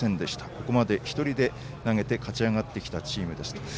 ここまで１人で投げて勝ち上がってきたチームですと。